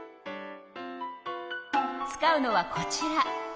使うのはこちら。